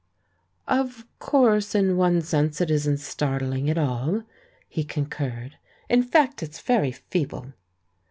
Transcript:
"Of course in one sense it isn't startling at all," he concurred; "in fact, it's very feeble."